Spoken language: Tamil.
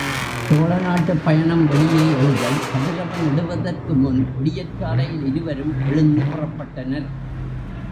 சோழ நாட்டுப் பயணம் வெளியே எழுதல் கதிரவன் எழுவதற்கு முன் விடியற்காலையில் இருவரும் எழுந்து புறப்பட்டனர்.